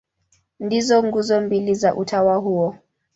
Ndizo nguzo mbili za utawa huo.